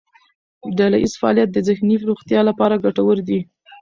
ډلهییز فعالیت د ذهني روغتیا لپاره ګټور دی.